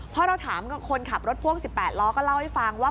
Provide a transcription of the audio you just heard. พอเราถามคนขับรถพ่วง๑๘ล้อก็เล่าให้ฟังว่า